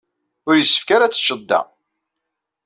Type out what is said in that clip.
Ur yessefk ara ad teččeḍ da.